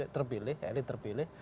terpilih elit terpilih